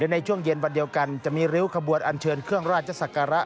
ในช่วงเย็นวันเดียวกันจะมีริ้วขบวนอันเชิญเครื่องราชศักระ